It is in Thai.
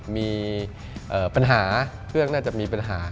มีปัญหาเครื่องน่าจะมีปัญหา